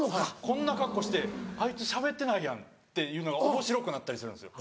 こんな格好してあいつしゃべってないやんというのがおもしろくなったりするんですよ